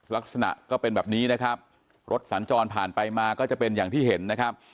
ลักษณะก็เป็นแบบนี้นะครับรถสัญจรผ่านไปมาก็จะเป็นอย่างที่เห็นนะครับ